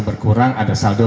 berkurang ada saldo